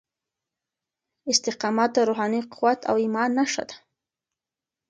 استقامت د روحاني قوت او ايمان نښه ده.